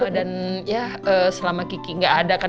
dan ya selama kiki gak ada kan